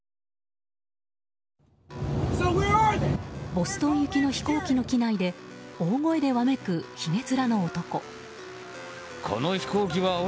ボストン行きの飛行機の機内で大声でわめく、ひげ面の男。